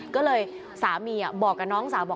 ก็เลยสามีบอกกับน้องสาวบอก